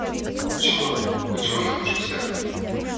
Почему, почему я лучше всех?